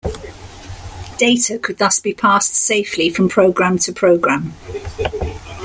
Data could thus be passed safely from program to program.